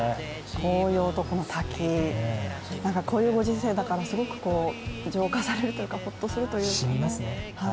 紅葉とこの滝、なんかこういうご時世だからすごく浄化されるというか、ほっとするというかね。